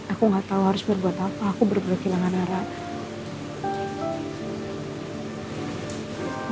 aku nggak tahu harus berbuat apa aku berperilangan arah